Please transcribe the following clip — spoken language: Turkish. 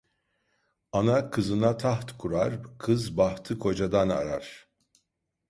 Ana kızına taht kurar, kız bahtı kocadan arar.